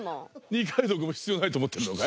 二階堂くんも必要ないと思ってんのかい？